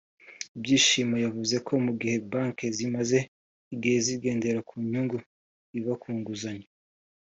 Byishimo yavuze ko mu gihe banki zimaze igihe zigendera ku nyungu iva ku nguzanyo